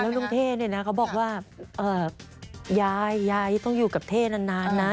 แล้วน้องเท่เนี่ยเขาบอกว่ายายต้องอยู่กับเท่นานนะ